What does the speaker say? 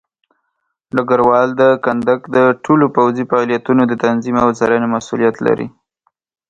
ډګروال د کندک د ټولو پوځي فعالیتونو د تنظیم او څارنې مسوولیت لري.